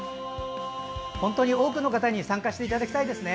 本当に多くの方に参加していただきたいですね